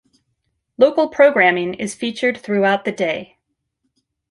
Local programming is featured throughout the day.